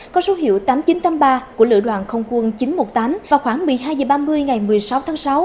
có số hiệu tám nghìn chín trăm tám mươi ba của lữ đoàn không quân chín trăm một mươi tám vào khoảng một mươi hai h ba mươi ngày một mươi sáu tháng sáu